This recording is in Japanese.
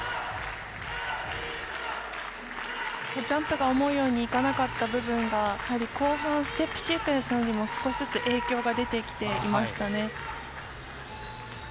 ジャンプが思うようにいかなかった部分がやはり後半ステップシークエンスなどにも少しずつ影響が出てきていましたね。